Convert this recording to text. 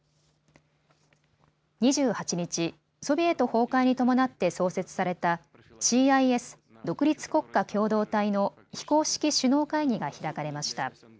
２８日、ソビエト崩壊に伴って創設されたＣＩＳ・独立国家共同体の非公式首脳会議が開かれました。